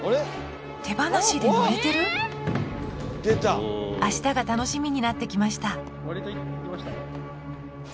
手放しで乗れてる⁉あしたが楽しみになってきました